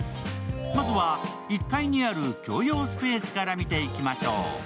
まずは１階にある共用スペースから見ていきましょう。